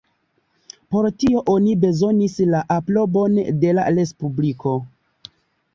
Por tio oni bezonis la aprobon de la Respubliko.